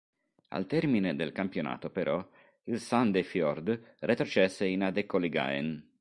Al termine del campionato, però, il Sandefjord retrocesse in Adeccoligaen.